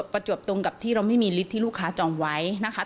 ประจวบตรงกับที่เราไม่มีลิตรที่ลูกค้าจองไว้นะคะ